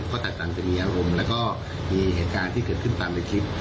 ก็แตกต่างจะมีอารมณ์แล้วก็มีเหตุการณ์ที่เกิดขึ้นตามในคลิป